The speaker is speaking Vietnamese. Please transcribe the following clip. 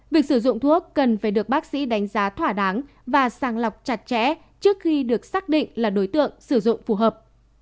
việc sử dụng thuốc cần phải được bác sĩ đánh giá thỏa đáng và sàng lọc chặt chẽ trước khi được xác định là đối tượng sử dụng phù hợp